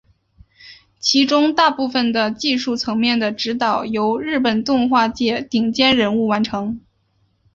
其中大部分的技术层面的指导由日本动画界顶尖人物完成。